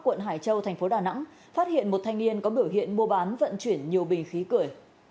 quận hải châu thành phố đà nẵng phát hiện một thanh niên có biểu hiện mua bán vận chuyển nhiều bình khí cười